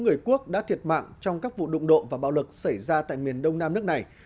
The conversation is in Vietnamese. người quốc đã thiệt mạng trong các vụ đụng độ và bạo lực xảy ra tại miền đông nam nước này